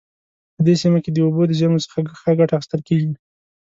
په دې سیمه کې د اوبو د زیرمو څخه ښه ګټه اخیستل کیږي